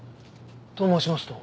と申しますと？